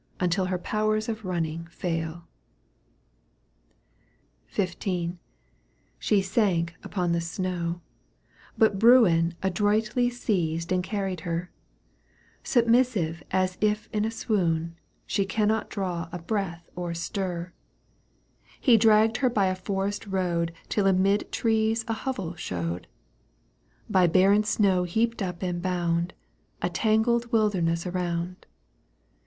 Until her powers of running fail XV. She sank upon the snow. But Bruin Adroitly seized and carried her ; Submissive as if in a swoon, She cannot draw a breath or stir. Digitized by VjOOQ 1С 136 EUGENE ONEGUINE. canto v. He dragged her by a forest road ТШ amid trees a hovel showed, By barren snow heaped up and bound, A tangled wilderness around.